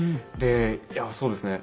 いやそうですね。